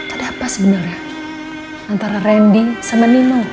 ada apa sebenarnya antara randy sama nino